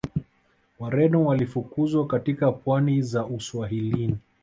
Wareno walifukuzwa katika pwani za Uswahilini